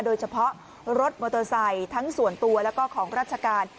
โดยเฉพาะรถมอเตอร์ไซค์ทั้งส่วนตัวแล้วก็ของราชการ